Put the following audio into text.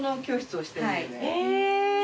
へえ。